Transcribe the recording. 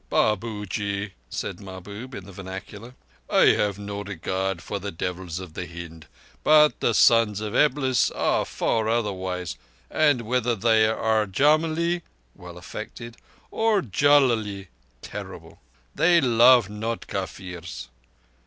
"Babuji," said Mahbub in the vernacular. "I have no regard for the devils of Hind, but the Sons of Eblis are far otherwise, and whether they be jumalee (well affected) or jullalee (terrible) they love not Kafirs."